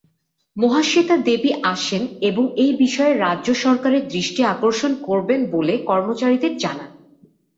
মহাশ্বেতা দেবী আসেন এবং এই বিষয়ে রাজ্য সরকারের দৃষ্টি আকর্ষণ করবেন বলে কর্মচারীদের জানান।